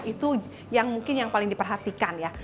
itu yang mungkin yang paling diperhatikan ya